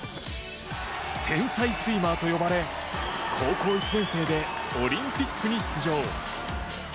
天才スイマーと呼ばれ高校１年生でオリンピックに出場。